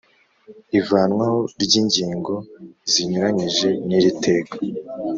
Ivanwaho ry’ingingo zinyuranyije n’iri teka